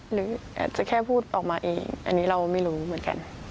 หรืออาจจะแค่พูดออกมาเองอันนี้เราไม่รู้เหมือนกัน